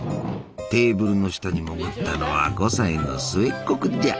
テーブルの下に潜ったのは５歳の末っ子君じゃ。